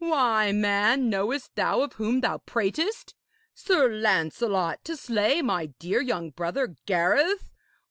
Why, man, knowest thou of whom thou pratest? Sir Lancelot to slay my dear young brother Gareth!